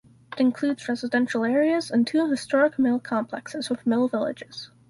It includes residential areas and two historic mill complexes with mill villages.